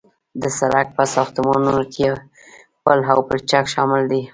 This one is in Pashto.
د سرک په ساختمانونو کې پل او پلچک شامل دي